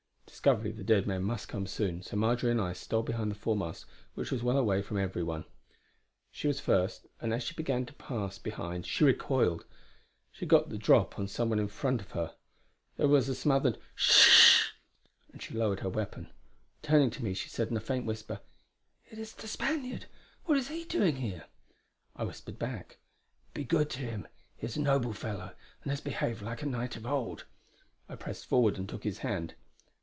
Discovery of the dead man must come soon, so Marjory and I stole behind the foremast which was well away from every one. She was first, and as she began to pass behind she recoiled; she got the drop on some one in front of her. There was a smothered 'h s s sh' and she lowered her weapon. Turning to me she said in a faint whisper: "It is the Spaniard; what is he doing here?" I whispered back: "Be good to him. He is a noble fellow, and has behaved like a knight of old!" I pressed forward and took his hand.